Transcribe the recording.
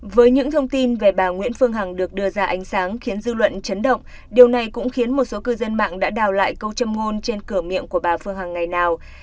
với những thông tin về bà nguyễn phương hằng được đưa ra ánh sáng khiến dư luận chấn động điều này cũng khiến một số cư dân mạng đã đào lại câu châm ngôn trên cửa miệng của bà phương hằng ngày nào